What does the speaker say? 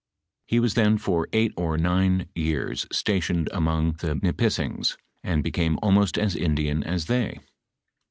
He was then for eight or nine years stationed among the Nri is'sing^ anl became almost as Indian as they.